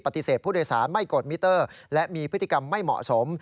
ผู้โดยสารไม่กดมิเตอร์และมีพฤติกรรมไม่เหมาะสม